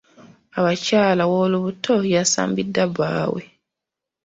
Abakyala w'olubuto yasambiddwa bbaawe.